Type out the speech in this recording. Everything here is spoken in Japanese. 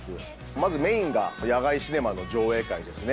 まずメインが、野外シネマの上映会ですね。